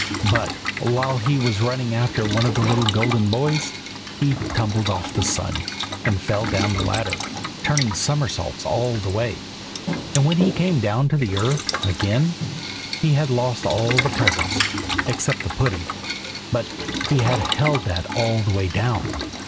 But while he was running after one of the little golden boys, he tumbled off the sun, and fell down the ladder, turning somersaults all the way. And when he came down to the earth again he had lost all the presents except the pudding, but he had held that all the way down.